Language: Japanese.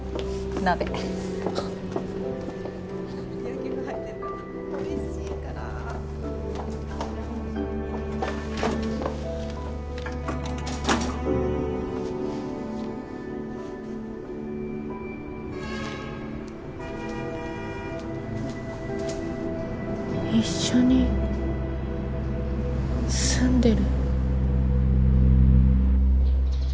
鍋一緒に住んでる？